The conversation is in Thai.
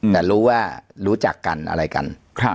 แต่รู้ว่ารู้จักกันอะไรกัน